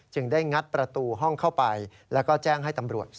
ชิ้นใจไงคงจะไปตรงจังหวัดตอนนี้